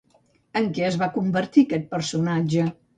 En què es va convertir aquest personatge?